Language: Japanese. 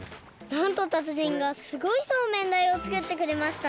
なんと達人がすごいそうめんだいを作ってくれました！